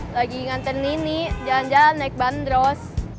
lagi nganter nini jalan jalan naik bandros